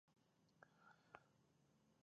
افغانستان فعاله ماتې لري چې زلزلې رامنځته کوي